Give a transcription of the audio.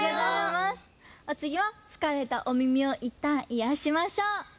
おつぎはつかれたお耳をいったんいやしましょう。